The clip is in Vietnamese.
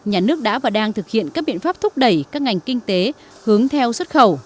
nhà nước đã và đang thực hiện các biện pháp thúc đẩy các ngành kinh tế hướng theo xuất khẩu